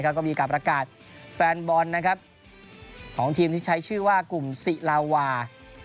ก็มีการประกาศแฟนบอลของทีมที่ใช้ชื่อว่ากลุ่มศิลาวา